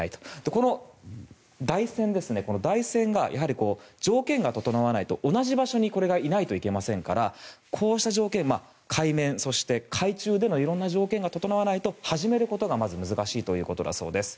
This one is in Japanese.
この台船が条件が整わないと同じ場所にこれがいないといけませんからこうした条件海面、そして海中での色んな条件が整わないと始めることがまず難しいということだそうです。